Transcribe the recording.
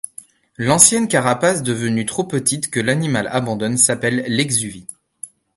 L'ancienne carapace, devenue trop petite, que l'animal abandonne, s'appelle l'exuvie.